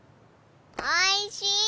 おいしい！